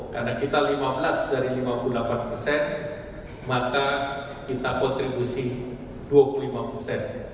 karena kita lima belas dari lima puluh delapan persen maka kita kontribusi dua puluh lima persen